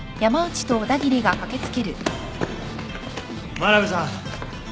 真鍋さん。